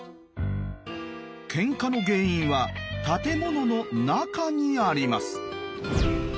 けんかの原因は建物の中にあります。